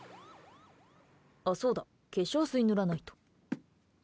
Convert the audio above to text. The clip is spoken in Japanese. あっ、そうだ、化粧水塗らないと。